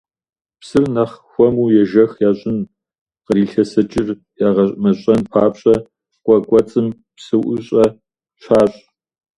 Псыр нэхъ хуэму ежэх ящӀын, кърилъэсыкӀыр ягъэмэщӀэн папщӀэ къуэ кӀуэцӀым псыӀущӀэ щащӀ.